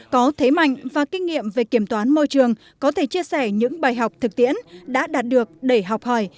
có thế mạnh và kinh nghiệm về kiểm toán môi trường có thể chia sẻ những bài học thực tiễn đã đạt được để học hỏi